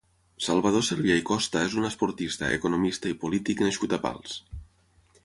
Salvador Servià i Costa és un esportista, economista i polític nascut a Pals.